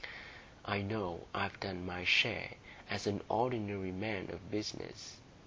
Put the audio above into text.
I know I've done my share as an ordinary man of business.